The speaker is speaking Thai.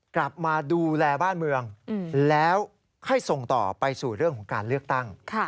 กลับมาดูแลบ้านเมืองแล้วให้ส่งต่อไปสู่เรื่องของการเลือกตั้ง